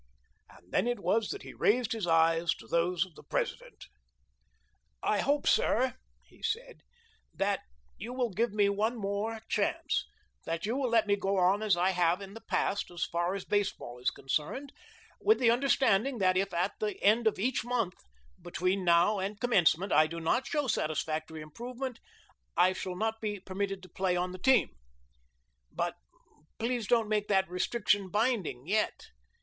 And then it was that he raised his eyes to those of the president. "I hope, sir," he said, "that you will give me one more chance that you will let me go on as I have in the past as far as baseball is concerned, with the understanding that if at the end of each month between now and commencement I do not show satisfactory improvement I shall not be permitted to play on the team. But please don't make that restriction binding yet.